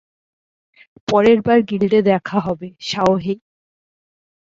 পরেরবার গিল্ডে দেখা হবে, শাওহেই।